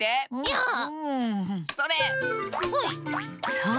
そう。